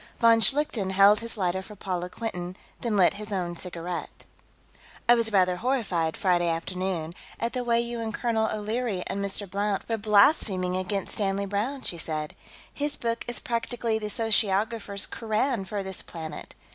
Von Schlichten held his lighter for Paula Quinton, then lit his own cigarette. "I was rather horrified, Friday afternoon, at the way you and Colonel O'Leary and Mr. Blount were blaspheming against Stanley Browne," she said. "His book is practically the sociographers' Koran for this planet.